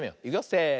せの。